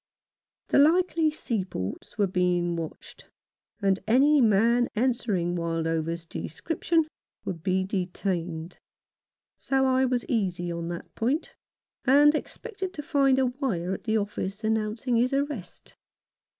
The likely seaports were being watched, and any man answering Wildover's description would be detained; so I was easy on that point, and expected to find a wire at the office announcing his arrest.